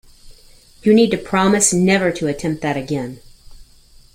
You need to promise never to attempt that again